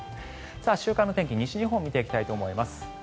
週間の天気、西日本を見ていきたいと思います。